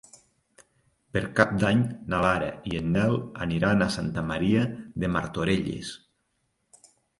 Per Cap d'Any na Lara i en Nel aniran a Santa Maria de Martorelles.